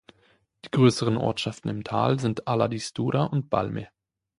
Die größeren Ortschaften im Tal sind Ala di Stura und Balme.